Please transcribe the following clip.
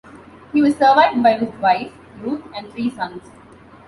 He was survived by his wife, Ruth, and three sons.